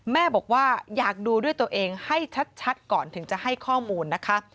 แม่บอกว่าอยากดูด้วยตัวเองให้ชัดก่อนถึงจะให้ข้อมูลนะคะ